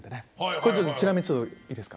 これちょっとちなみにいいですか？